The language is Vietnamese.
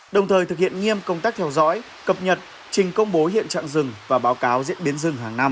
đồng thời thực hiện nghiêm công tác theo dõi cập nhật trình công bố hiện trạng rừng và báo cáo diễn biến rừng hàng năm